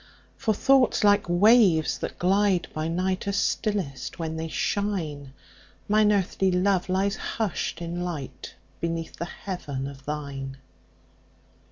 For thoughts, like waves that glide by night, Are stillest when they shine; Mine earthly love lies hush'd in lightBeneath the heaven of thine.